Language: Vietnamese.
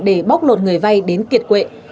để bóc lột người vay đến kiệt quệ